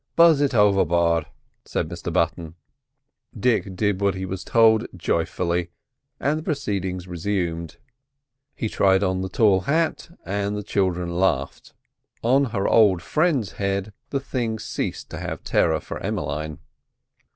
"Buzz it overboard," said Mr Button. Dick did what he was told joyfully, and the proceedings resumed. He tried on the tall hat, and the children laughed. On her old friend's head the thing ceased to have terror for Emmeline.